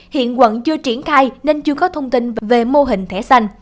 hiện quận chưa triển khai nên chưa có thông tin về mô hình thẻ xanh